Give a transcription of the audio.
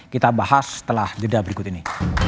kita bahas setelah jeda berikut ini